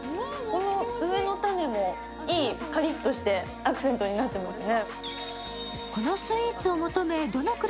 上の種もカリッとして、いいアクセントになってますね。